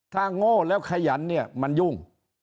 ถ้าโง่แล้วขยันเนี่ยมันยุ่ง